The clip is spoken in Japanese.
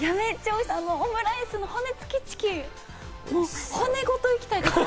オムライスの骨付きチキン、骨ごといきたい！